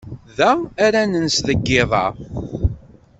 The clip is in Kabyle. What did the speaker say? Da ara nens deg yiḍ-a.